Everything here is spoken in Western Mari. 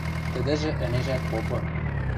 Тӹдӹжӹ ӹнежӓт попы.